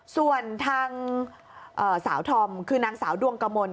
ส่วนทั้งเอ่อสาวทอมคือนางสาวดวงกระมน